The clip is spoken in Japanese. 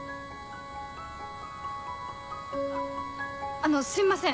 あのすいません